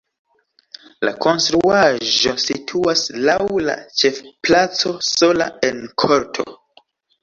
La konstruaĵo situas laŭ la ĉefplaco sola en korto.